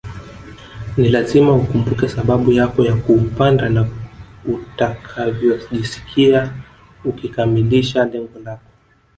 Ni lazima ukumbuke sababu yako ya kuupanda na utakavyojisikia ukikamilisha lengo lako